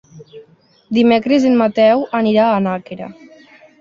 Dimecres en Mateu anirà a Nàquera.